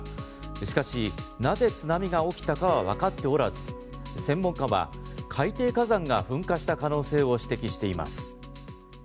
しかし、なぜ津波が起きたかはわかっておらず専門家は海底火山が噴火した可能性を指摘しています。